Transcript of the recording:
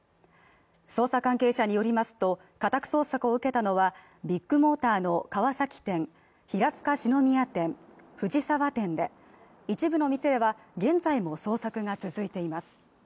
捜査関係者によりますと家宅捜索を受けたのはビッグモーターの川崎店、平塚四之宮店、藤沢店で一部の店では現在も捜索が続いています。